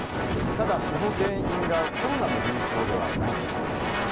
ただ、その原因がコロナの流行ではないんです。